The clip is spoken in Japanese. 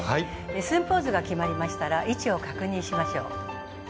寸法図が決まりましたら位置を確認しましょう。